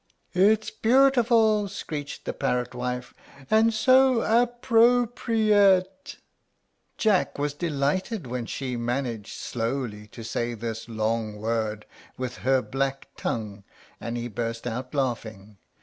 "It's beautiful!" screeched the parrot wife, "and so ap pro pri ate." Jack was delighted when she managed slowly to say this long word with her black tongue, and he burst out laughing.